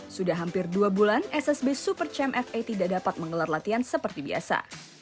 sudah hampir dua bulan ssb super champ fa tidak dapat menggelar latihan seperti biasa